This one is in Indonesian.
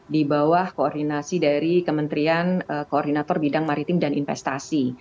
di bawah koordinasi dari kementerian koordinator bidang maritim dan investasi